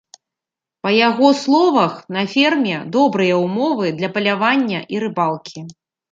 Па яго словах, на ферме добрыя ўмовы для палявання і рыбалкі.